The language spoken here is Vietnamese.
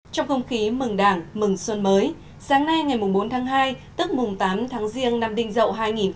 trong không khí mừng đảng mừng xuân mới sáng nay ngày bốn tháng hai tức tám tháng riêng năm đình dậu hai nghìn một mươi bảy